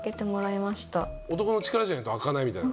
男の力じゃないと開かないみたいな？